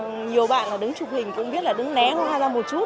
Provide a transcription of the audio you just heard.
nhiều bạn đứng chụp hình cũng biết là đứng né hoa ra một chút